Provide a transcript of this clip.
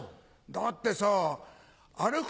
だってさ歩く